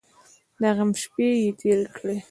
د غم شپې یې تېرې کړې.